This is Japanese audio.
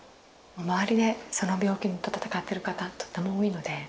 周りでその病気と闘ってる方とても多いので。